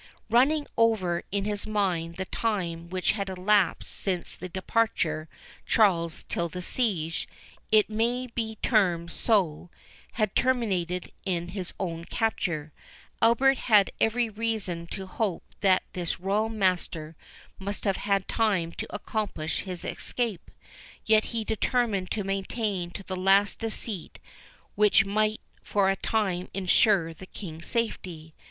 Running over in his mind the time which had elapsed since the departure Charles till the siege, if it may be termed so, had terminated in his own capture, Albert had every reason to hope that his Royal Master must have had time to accomplish his escape. Yet he determined to maintain to the last a deceit which might for a time insure the King's safety.